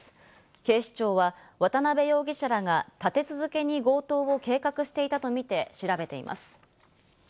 警視庁は渡辺容疑者らが立て続けに強盗を計画していたとみて調べています。